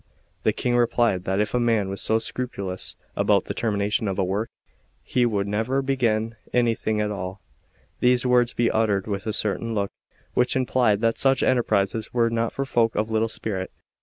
The King replied that if a man was so scrupulous about the termination of a work, he would never begin anything at all; these words he uttered with a certain look, which implied that such enterprises were not for folk of little spirit.